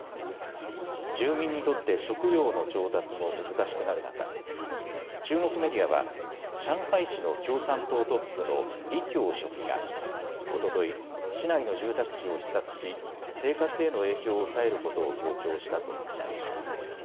住民にとって食料の調達も難しくなる中、中国メディアは上海市の共産党トップの李強書記がおととい、市内の住宅地を視察し生活への影響を抑えることを強調したと伝えました。